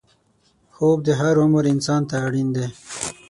خوب د هر عمر انسان ته اړین دی